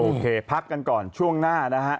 พักกันก่อนช่วงหน้านะฮะ